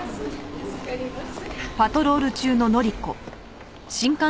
助かります。